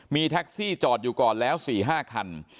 มีแท็กซี่จอดอยู่ก่อนแล้ว๔๕คัน